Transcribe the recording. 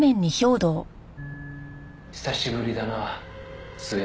「久しぶりだな末政」